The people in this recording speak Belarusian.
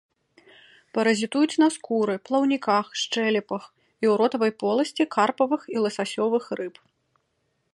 Паразітуюць на скуры, плаўніках, шчэлепах і ў ротавай поласці карпавых і ласасёвых рыб.